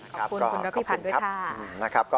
ขอบคุณคุณนพิพันธ์ด้วยค่ะ